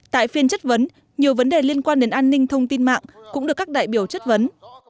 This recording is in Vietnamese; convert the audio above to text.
tại phiên chất vấn nhiều vấn đề liên quan đến an ninh thông tin mạng cũng được các đại biểu chất vấn